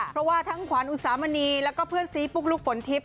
เพราะว่าทั้งขวัญอุสามณีแล้วก็เพื่อนซีปุ๊กลุ๊กฝนทิพย